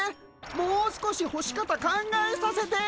もう少しほし方考えさせて。